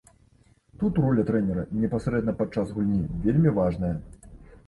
Тут роля трэнера непасрэдна падчас гульні вельмі важная.